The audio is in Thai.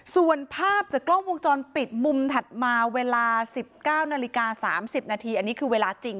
ส่วนภาพจากกล้องวงจรปิดมุมถัดมาเวลา๑๙นาฬิกา๓๐นาทีอันนี้คือเวลาจริง